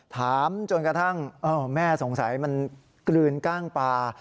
ถามจนกระทั่งแม่สงสัยมันกลืนกล้างปลา